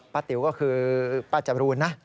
ติ๋วก็คือป้าจรูนนะ